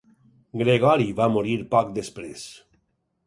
Gregori va morir poc després.